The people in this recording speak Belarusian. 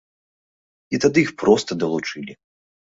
І тады іх проста далучылі.